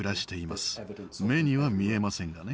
目には見えませんがね。